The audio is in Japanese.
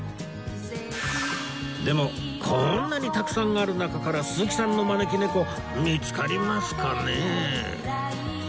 でもこんなにたくさんある中から鈴木さんの招き猫見つかりますかね？